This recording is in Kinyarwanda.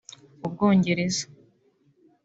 U Bwongereza